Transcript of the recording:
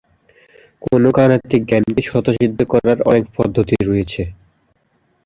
কোন গাণিতিক জ্ঞানকে স্বতঃসিদ্ধ করার অনেক পদ্ধতি রয়েছে।